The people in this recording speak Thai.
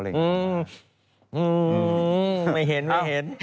อืมอืมไม่เห็น